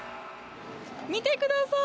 見てください。